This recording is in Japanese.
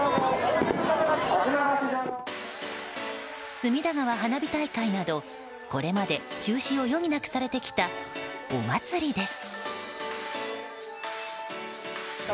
隅田川花火大会などこれまで中止を余儀なくされてきたお祭りです。